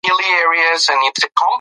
صله رحمي د کورنیو اړیکو برکت دی.